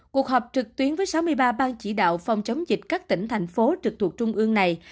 cuộc họp trực tuyến với sáu mươi ba ban chỉ đạo phòng chống dịch các tỉnh thành phố trực thuộc trung ương này